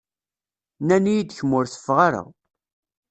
Nnan-iyi-d kemm ur teffeɣ ara.